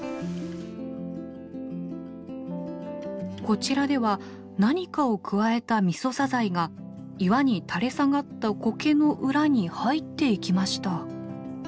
こちらでは何かをくわえたミソサザイが岩に垂れ下がったコケの裏に入っていきました。